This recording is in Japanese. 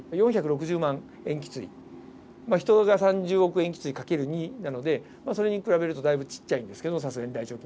塩基対掛ける２なのでそれに比べるとだいぶちっちゃいんですけどさすがに大腸菌。